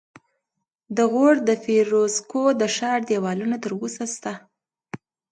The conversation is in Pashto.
د غور د فیروزکوه د ښار دیوالونه تر اوسه شته